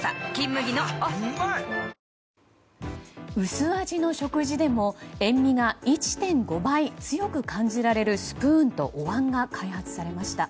薄味の食事でも塩みが１．５倍強く感じられるスプーンとお椀が開発されました。